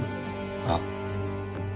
あっ。